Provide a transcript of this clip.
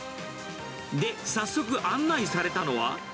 で、早速、案内されたのは。